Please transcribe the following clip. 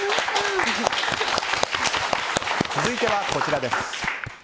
続いては、こちらです。